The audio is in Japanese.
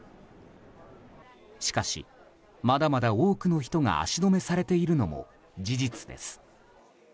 しかし、まだまだ多くの人が足止めされているのも事実です。